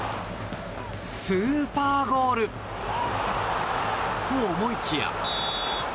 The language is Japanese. スーパーゴール！と思いきや。